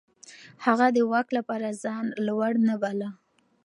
هغه د واک لپاره ځان لوړ نه باله.